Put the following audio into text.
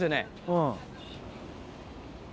うん。